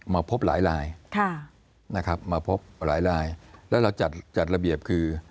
มาพบหลายลายค่ะนะครับมาพบหลายลายแล้วเราจัดจัดระเบียบคือ